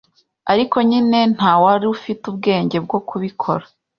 ariko nyine ntawari ufite ubwenge bwo kubikora